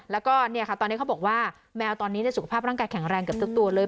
แล้วก็เนี่ยค่ะตอนนี้เขาบอกว่าแมวตอนนี้สุขภาพร่างกายแข็งแรงเกือบทุกตัวเลย